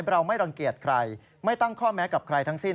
เราไม่รังเกียจใครไม่ตั้งข้อแม้กับใครทั้งสิ้น